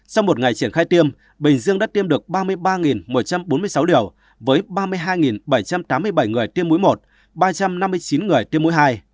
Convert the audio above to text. sau một ngày triển khai tiêm bình dương đã tiêm được ba mươi ba một trăm bốn mươi sáu điều với ba mươi hai bảy trăm tám mươi bảy người tiêm mũi một ba trăm năm mươi chín người tiêm mũi hai